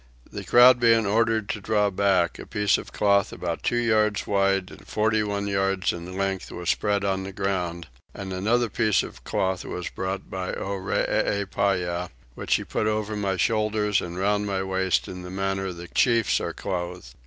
The crowd being ordered to draw back, a piece of cloth about two yards wide and forty one yards in length was spread on the ground; and another piece of cloth was brought by Oreepyah, which he put over my shoulders and round my waist in the manner the chiefs are clothed.